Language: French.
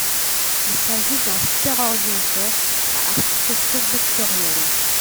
Il s'agit d'un superordinateur à architecture vectorielle.